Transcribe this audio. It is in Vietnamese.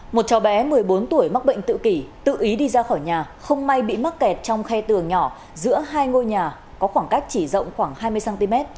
một cháu bé một mươi bốn tuổi mắc bệnh tự kỷ tự ý đi ra khỏi nhà không may bị mắc kẹt trong khe tường nhỏ giữa hai ngôi nhà có khoảng cách chỉ rộng khoảng hai mươi cm